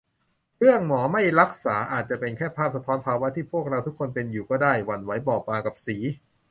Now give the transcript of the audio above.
เรื่องหมอไม่รักษาอาจจะเป็นแค่ภาพสะท้อนภาวะที่พวกเราทุกคนเป็นอยู่ก็ได้ - หวั่นไหวบอบบางกับสี